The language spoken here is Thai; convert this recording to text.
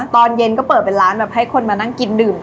ตอนเย็นก็เปิดเป็นร้านแบบให้คนมานั่งกินดื่ม